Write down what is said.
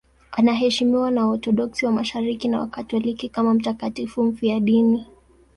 Anaheshimiwa na Waorthodoksi wa Mashariki na Wakatoliki kama mtakatifu mfiadini.